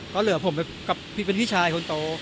ก็เหลือผมเป็นพี่ชายคนโต